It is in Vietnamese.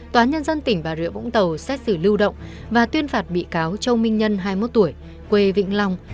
tòa nhân dân tỉnh bà rịa vũng tàu xét xử lưu động và tuyên phạt bị cáo châu minh nhân hai mươi một tuổi quê vĩnh long